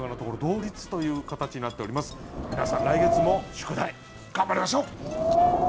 皆さん来月も宿題頑張りましょう！